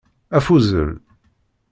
Afuzzel.